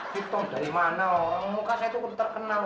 si tom dari mana orang muka saya tuh terkenal